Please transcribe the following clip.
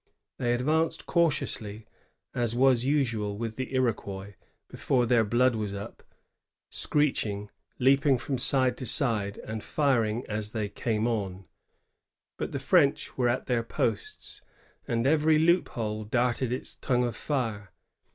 They advanced cautiously, as was usual with the Iroquois before their blood was up, screeching, leaping from side to side, and firing as they came on ; but the French were at their posts, and every loophole darted its tongue of fire.